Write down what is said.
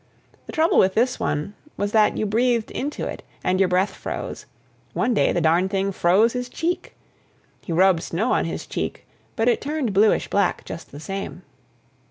The trouble with this one was that you breathed into it and your breath froze; one day the darn thing froze his cheek. He rubbed snow on his cheek, but it turned bluish black just the same.